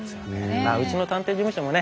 うちの探偵事務所もね